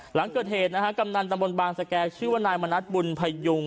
หลังเกิดเหตุนะฮะกำนันตำบลบางสแก่ชื่อว่านายมณัฐบุญพยุง